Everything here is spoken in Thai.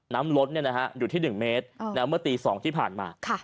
น้ำลดอยู่ที่๑เมตรเมื่อตี๒ที่ผ่านมา